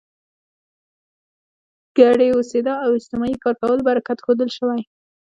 ګډې اوسېدا او اجتماعي کار کولو برکت ښودل شوی.